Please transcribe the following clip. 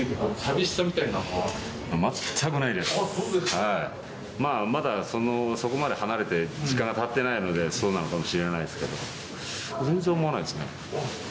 はい、まだそこまで離れて、時間がたってないので、そうなのかもしれないですけど、全然思わないですね。